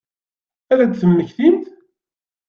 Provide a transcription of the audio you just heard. Ad temmektimt?